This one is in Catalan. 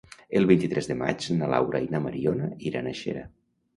El vint-i-tres de maig na Laura i na Mariona aniran a Xera.